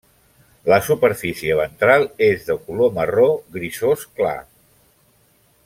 La superfície ventral és de color marró grisós clar.